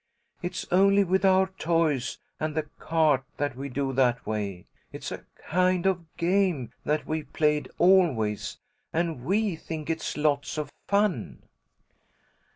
"It's only with our toys and the cart that we do that way. It's a kind of game that we've played always, and we think it's lots of fun."